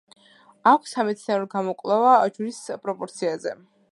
აქვს სამეცნიერო გამოკვლევა ჯვრის პროპორციებზე.